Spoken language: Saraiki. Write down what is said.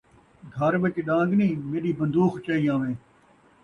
گھر وِچ ݙان٘گ نہیں ، میݙی بن٘دوخ چائی آویں